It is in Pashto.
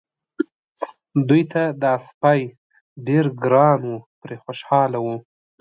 دوی ته دا سپی ډېر ګران و پرې خوشاله وو.